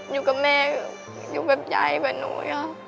อยู่กับแม่อยู่กับยายกว่านู